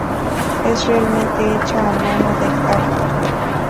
Es realmente hecha a mano del arte.